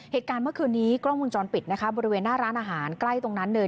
เหตุการณ์เมื่อคืนนี้กล้องวงจรปิดนะคะบริเวณหน้าร้านอาหารใกล้ตรงนั้นเลย